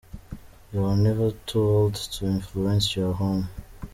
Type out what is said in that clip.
You are never too old to influence your home.